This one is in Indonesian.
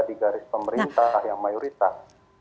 di garis pemerintah yang mayoritas